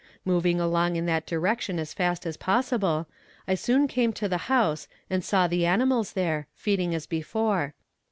Moving along in that direction as fast as possible, I soon came to the house and saw the animals there, feeding as before.